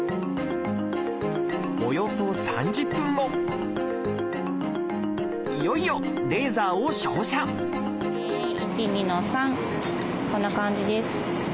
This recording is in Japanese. およそ３０分後いよいよレーザーを照射１２の３！こんな感じです。